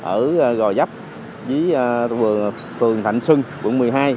ở gò dấp với phường thạnh xuân quận một mươi hai